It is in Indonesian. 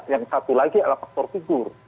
yang satu lagi adalah faktor figur